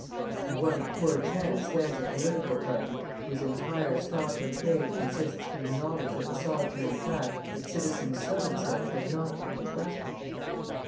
And what a poor chance stands a political party whose entire stock in trade consists in a knowledge of the solitary fact that Citizen So and so is not to be trusted.